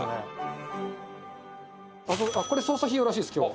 「これ捜査費用らしいです今日」